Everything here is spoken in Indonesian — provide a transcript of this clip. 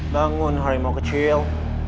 bangun harimau kecil